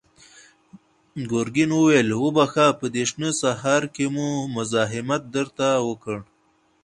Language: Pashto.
ګرګين وويل: وبخښه، په دې شنه سهار کې مو مزاحمت درته وکړ.